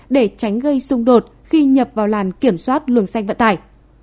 để tránh gây xung đột khi nhập vào làn kiểm soát luồng xanh vận tải